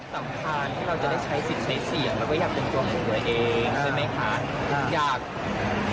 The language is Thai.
สำคัญเราจะได้ใช้สิทธิ์ใช้เสีย